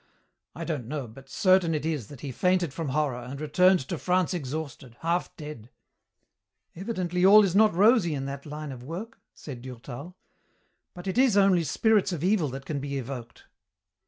I don't know, but certain it is that he fainted from horror and returned to France exhausted, half dead." "Evidently all is not rosy in that line of work," said Durtal. "But it is only spirits of Evil that can be evoked?"